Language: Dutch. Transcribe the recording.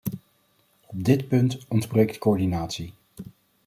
Op dit punt ontbreekt coördinatie.